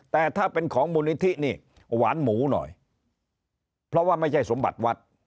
แต่ถ้าเป็นของมูลนิธินี่หวานหมูหน่อยเพราะว่าไม่ใช่สมบัติวัด